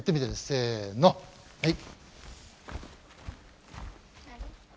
せのはい。